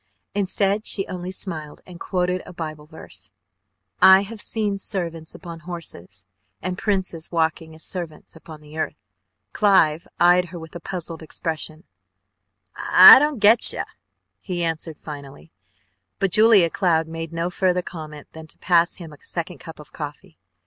Instead she only smiled and quoted a Bible verse: "I have seen servants upon horses, and princes walking as servants upon the earth." Clive eyed her with a puzzled expression: "I don't getcha!" he answered finally, but Julia Cloud made no further comment than to pass him a second cup of coffee.